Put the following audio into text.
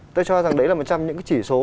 tôi cho rằng đấy là một trong những cái chỉ số